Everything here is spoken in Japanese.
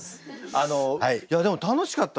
あのいやでも楽しかったです。